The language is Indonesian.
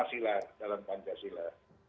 lima sila dalam pancasila